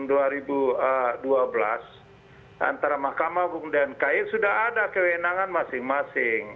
tahun dua ribu dua belas antara mahkamah agung dan kai sudah ada kewenangan masing masing